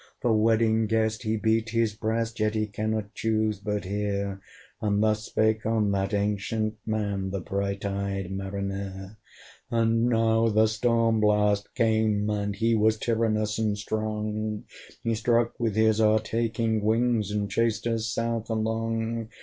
The Wedding Guest he beat his breast, Yet he cannot chuse but hear; And thus spake on that ancient man, The bright eyed Mariner. And now the STORM BLAST came, and he Was tyrannous and strong: He struck with his o'ertaking wings, And chased south along.